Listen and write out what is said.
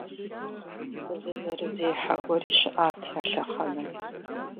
Зы зэрызехьэ гуэри щыӏат а лъэхъэнэм.